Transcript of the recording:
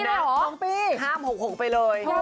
ข้าม๖๖๖ไปเลยยาวไปเลยครับ